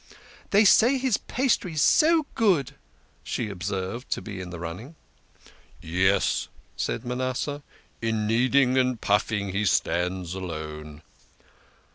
" They say his pastry is so good," she observed, to be in the running. " Yes," said Manasseh, " in kneading and puffing he stands alone."